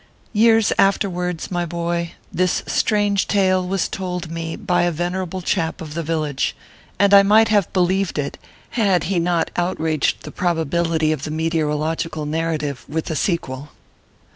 Years afterwards, my boy, this strange tale was told me by a venerable chap of the village, and I might have believed it, had he not outraged the prob ability of the meteorological narrative with a sequel.